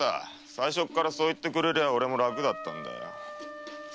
最初っからそう言ってくれりゃあ俺も楽だったんだよ。